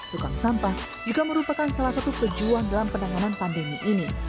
tukang sampah juga merupakan salah satu pejuang dalam penanganan pandemi ini